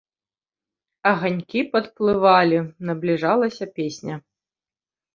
Аганькі падплывалі, набліжалася песня.